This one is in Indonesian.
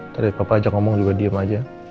tadi papa aja ngomong juga diem aja